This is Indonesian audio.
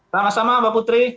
sama sama mbak putri